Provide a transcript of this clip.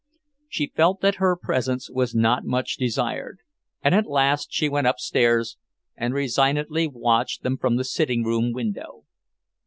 She felt that her presence was not much desired, and at last she went upstairs and resignedly watched them from the sitting room window.